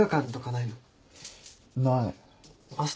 ない。